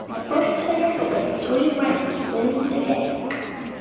The first player to win three rounds wins the game.